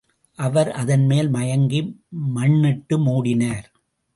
அவர் அதன்மேல் மயங்கி மண்ணிட்டு மூடினார்.